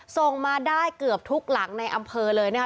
ส่งมาได้เกือบทุกหลังในอำเภอเลยนะคะ